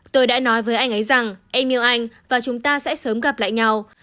tôi đã nói với anh ấy rằng em yêu anh và chúng ta sẽ sớm gặp lại nhau